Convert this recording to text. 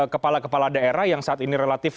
kepala kepala daerah yang saat ini relatif